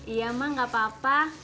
iya mah gak apa apa